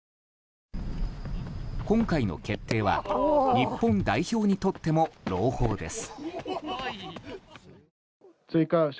今回の決定は日本代表にとっても朗報です。